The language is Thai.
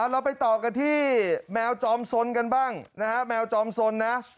เราไปต่อกันที่แมวจอมสนกันบ้างนะฮะแมวจอมสนนะ